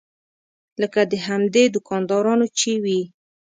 لکه د همدې دوکاندارانو چې وي.